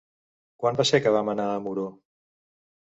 Quan va ser que vam anar a Muro?